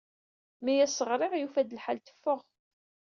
Mi as-ɣriɣ, yufa-d lḥal teffeɣ.